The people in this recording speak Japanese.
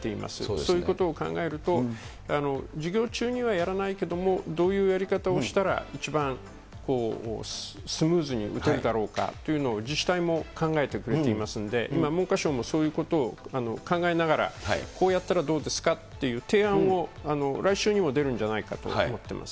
そういうことを考えると、授業中にはやらないけれども、どういうやり方をしたら一番スムーズに打てるだろうかということを、自治体も考えてくれていますんで、今、文科省もそういうことを考えながら、こうやったらどうですかという提案を、来週にも出るんじゃないかと思っています。